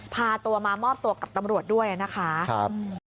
พาตัวมามอบตัวกับตำรวจด้วยนะคะครับ